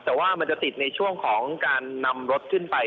แต่ว่ามันจะติดในช่วงของการนำรถขึ้นไป